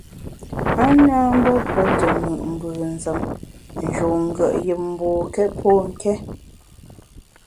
A na mbe pe te mùt mbùnzem, ń njun ngùet yùm mbokét pô nké.